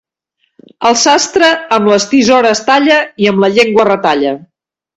El sastre, amb les tisores talla i amb la llengua retalla.